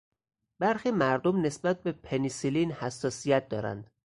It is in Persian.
برخی مردم نسبت به پنی سیلین حساسیت دارند.